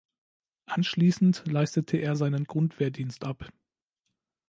Anschließend leistete er seinen Grundwehrdienst ab.